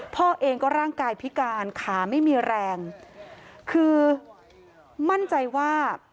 พ่อเองก็ร่างกายพิการขาไม่มีแรงคือมั่นใจว่า